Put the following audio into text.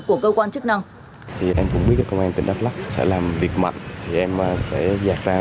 của cơ quan chức năng thì em cũng biết công an tỉnh đắk lắc sẽ làm việc mạnh thì em sẽ giạt ra